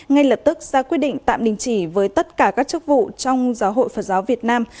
ngay lập tức ra quyết định tạm đình chỉ với tất cả các chức vụ trong giáo hội phật giáo việt nam